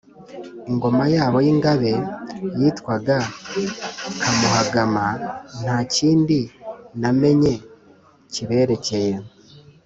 ingoma yabo y’ingabe yitwaga kamuhagama. nta kindi namenye kiberekeye.